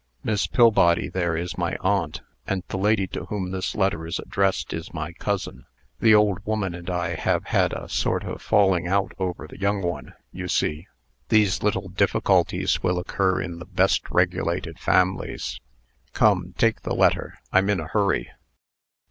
"Miss Pillbody there is my aunt, and the lady to whom this letter is addressed is my cousin. The old woman and I have had a sort of falling out about the young one, you see. These little difficulties will occur in the best regulated families. Come, take the letter. I'm in a hurry."